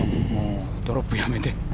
ドロップをやめて。